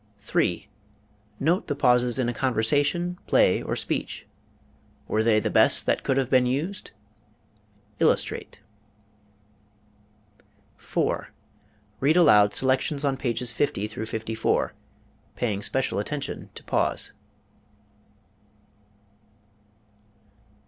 3. Note the pauses in a conversation, play, or speech. Were they the best that could have been used? Illustrate. 4. Read aloud selections on pages 50 54, paying special attention to pause.